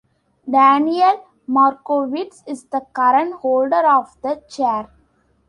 Daniel Markovits is the current holder of the chair.